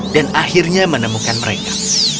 dan akhirnya menemukan mereka